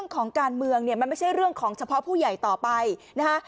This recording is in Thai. ของการเมืองเนี่ยมันไม่ใช่เรื่องของเฉพาะผู้ใหญ่ต่อไปนะคะ